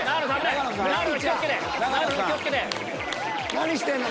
何してるの？